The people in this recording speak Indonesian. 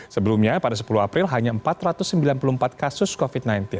sebelumnya pada sepuluh april hanya empat ratus sembilan puluh empat kasus covid sembilan belas